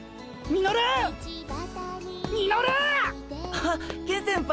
あっケン先輩。